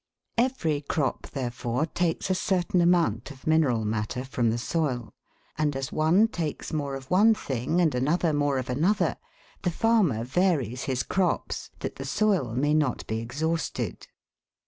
Every crop, therefore, takes a certain amount of mineral matter from the soil,* and as one takes more of one thing and another more of another, the farmer varies his crops that the soil may not be exhausted.